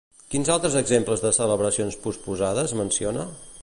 Quins altres exemples de celebracions posposades menciona?